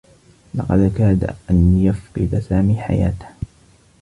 لقد كاد أن يفقد سامي حياته.